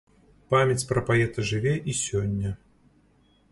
Памяць пра паэта жыве і сёння.